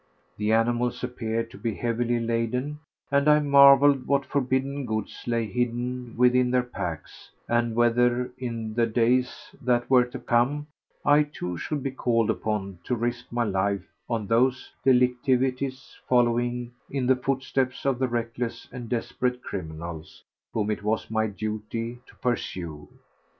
The animals appeared to be heavily laden, and I marvelled what forbidden goods lay hidden within their packs and whether in the days that were to come I too should be called upon to risk my life on those declivities following in the footsteps of the reckless and desperate criminals whom it was my duty to pursue.